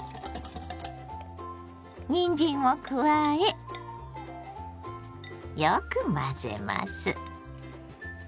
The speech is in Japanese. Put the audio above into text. にんじんを加えよく混ぜます。